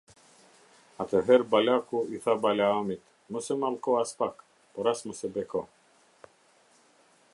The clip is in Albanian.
Atëherë Balaku i tha Balaamit: "Mos e mallko aspak, por as mos e beko".